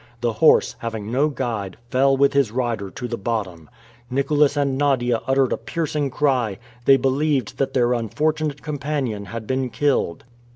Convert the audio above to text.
The horse, having no guide, fell with his rider to the bottom. Nicholas and Nadia uttered a piercing cry! They believed that their unfortunate companion had been killed.